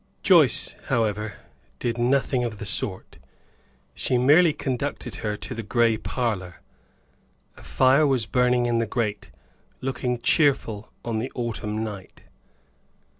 Joyce, however, did nothing of the sort. She merely conducted her to the gray parlor. A fire was burning in the grate, looking cheerful on the autumn night.